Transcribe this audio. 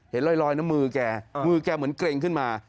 เห็นลอยน้ำมือแกมือแกเหมือนเกร็งขึ้นมา